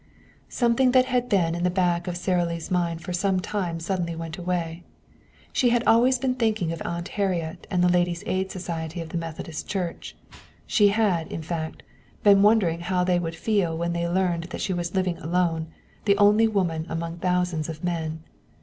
Something that had been in the back of Sara Lee's mind for some time suddenly went away. She had been thinking of Aunt Harriet and the Ladies' Aid Society of the Methodist Church. She had, in fact, been wondering how they would feel when they learned that she was living alone, the only woman among thousands of men.